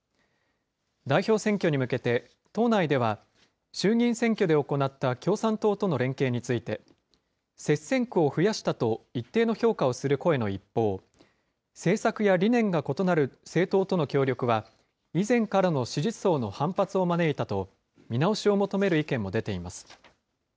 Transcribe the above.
代表選挙に向けて、党内では、衆議院選挙で行った共産党との連携について、接戦区を増やしたと、一定の評価をする声の一方、政策や理念が異なる政党との協力は、以前からの支持層の反発を招いたと、見直しを求める意見も出ています。